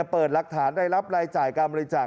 เปิดหลักฐานได้รับรายจ่ายการบริจาค